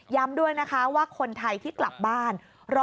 ด้วยนะคะว่าคนไทยที่กลับบ้าน